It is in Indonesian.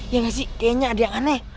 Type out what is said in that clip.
kayaknya ada yang aneh